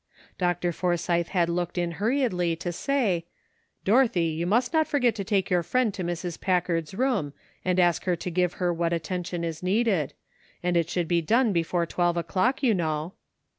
Dr. For sythe had looked in hurriedly to say, '' Dorothy, you must not forget to take your friend to Mrs. Packard's room and ask her to give her what attention is needed; and it should be done before twelve o'clock, you know."